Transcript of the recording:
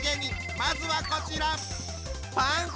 まずはこちら！